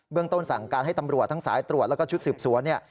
เรื่องต้นสั่งการให้ตำรวจทั้งสายตรวจแล้วก็ชุดสืบสวนเนี่ย